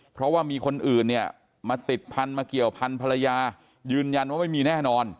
เพราะว่ามีคนอื่นเนี่ยมาติดพันธุ์มาเกี่ยวพันธรรยายืนยันว่าไม่มีแน่นอน